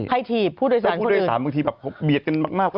ให้ถีบพูดโดยสารคนอื่นถูกถูกบางทีเบียดเยอะมาก